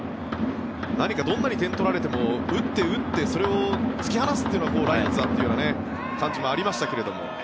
何かどんなに点を取られても打って打ってそれを突き放すのがライオンズだというような感じもありましたが。